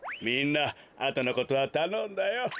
みんなあとのことはたのんだよ。